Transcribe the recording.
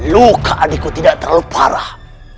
luka adikku tidak terlalu parah